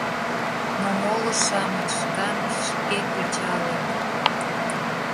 — Но, моло-шамыч шканышт шке кычалыт.